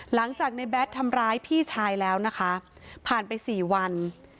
หลังจากไน้แบตทำร้ายพี่ชายแล้วนะพลังไปสี่วัน